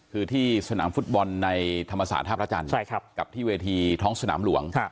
คือที่สนามฟุตบอลในธรรมศาสตร์ท่าพระจันทร์กับที่เวทีท้องสนามหลวง